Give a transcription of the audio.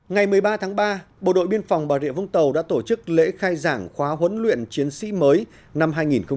ngày một mươi ba tháng ba bộ đội biên phòng bà rịa vũng tàu đã tổ chức lễ khai giảng khóa huấn luyện chiến sĩ mới năm hai nghìn một mươi chín